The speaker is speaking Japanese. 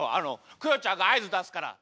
クヨちゃんがあいずだすから。